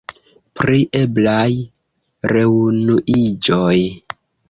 Pri eblaj reunuiĝoj.